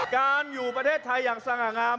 การอยู่ประเทศไทยอย่างสง่างาม